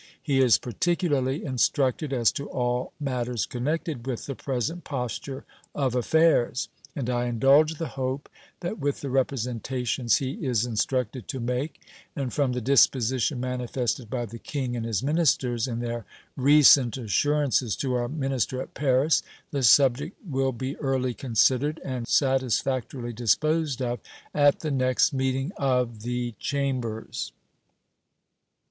He is particularly instructed as to all matters connected with the present posture of affairs, and I indulge the hope that with the representations he is instructed to make, and from the disposition manifested by the King and his ministers in their recent assurances to our minister at Paris, the subject will be early considered, and satisfactorily disposed of at the next meeting of the Chambers.